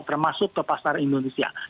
termasuk ke pasar indonesia